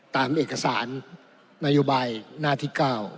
ตามเอกสารนโยบายหน้าที่๙